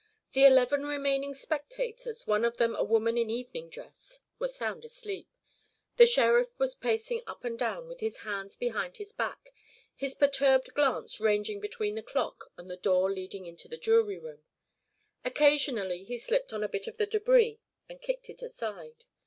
The eleven remaining spectators, one of them a woman in evening dress, were sound asleep. The sheriff was pacing up and down with his hands behind his back, his perturbed glance ranging between the clock and the door leading into the jury room. Occasionally he slipped on a bit of the debris and kicked it aside.